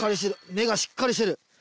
根がしっかりしてる。